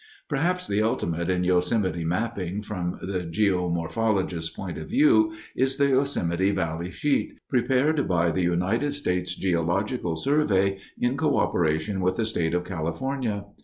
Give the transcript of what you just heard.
Perhaps the ultimate in Yosemite mapping, from the geomorphologist's point of view, is the Yosemite Valley Sheet, prepared by the United States Geological Survey in coöperation with the State of California.